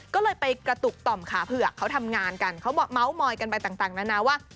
ก็เลยไปกระตุกต่อมขาเผือกเขาทำงานกันเขาบอกเมาส์มอยกันไปต่างนานาว่า